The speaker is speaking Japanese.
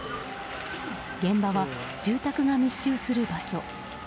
現場は住宅が密集する場所。